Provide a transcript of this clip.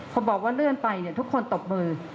พอบอกว่าเลื่อนไปทุกคนตบมือ